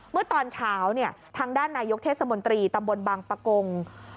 เมื่อตอนเช้าทางด้านนายกเทศมนตรีตำบลบางปะกง